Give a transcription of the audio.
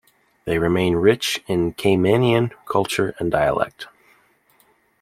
They remain rich in Caymanian culture and dialect.